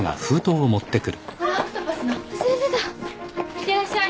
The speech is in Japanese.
いってらっしゃい。